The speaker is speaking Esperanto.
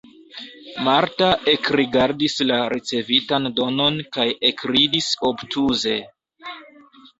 Marta ekrigardis la ricevitan donon kaj ekridis obtuze.